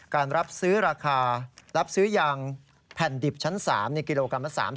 การรับซื้อยางแผ่นดิบชั้น๓ในกิโลกรัม๓๐๔๕